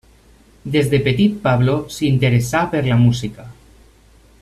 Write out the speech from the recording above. Des de petit Pablo s'interessà per la música.